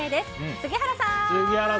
杉原さん！